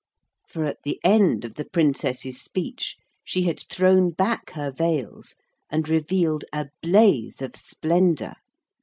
For at the end of the Princess's speech she had thrown back her veils and revealed a blaze of splendour.